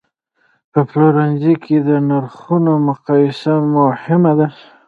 په پلورنځي کې د نرخونو مقایسه مهمه ده.